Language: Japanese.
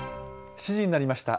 ７時になりました。